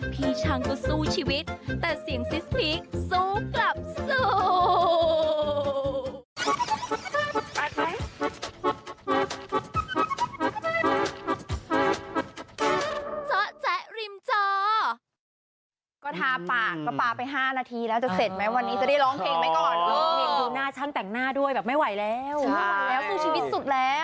พี่ช่างก็สู้ชีวิตแต่เสียงซิกสู้กลับสู้ชีวิต